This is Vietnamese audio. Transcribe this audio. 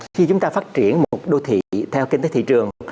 khi chúng ta phát triển một đô thị theo kinh tế thị trường